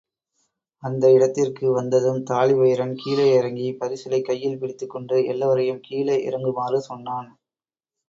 அந்த இடத்திற்கு வந்ததும் தாழிவயிறன் கீழே இறங்கிப் பரிசலைக் கையில் பிடித்துக்கொண்டு எல்லாரையும் கீழே இறங்குமாறு சொன்னான்.